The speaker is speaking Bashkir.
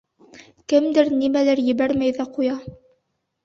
Кемдер, нимәлер ебәрмәй ҙә ҡуя.